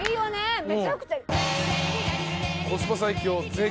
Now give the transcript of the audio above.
めちゃくちゃ。